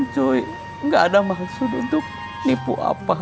saya tidak ada maksud untuk menipu apa